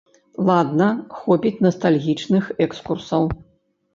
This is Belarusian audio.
Ладна, хопіць настальгічных экскурсаў.